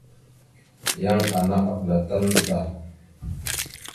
Yan ana avəlatal ndzəɗa.